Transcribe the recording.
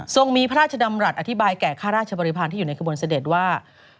มีพระราชดำรัฐอธิบายแก่ข้าราชบริพาณที่อยู่ในขบวนเสด็จว่า